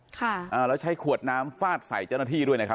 ค่ะอ่าแล้วใช้ขวดน้ำฟาดใส่เจ้าหน้าที่ด้วยนะครับ